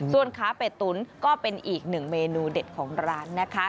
ส่วนขาเป็ดตุ๋นก็เป็นอีกหนึ่งเมนูเด็ดของร้านนะคะ